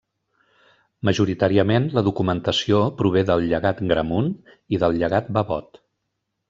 Majoritàriament la documentació prové del Llegat Gramunt i del Llegat Babot.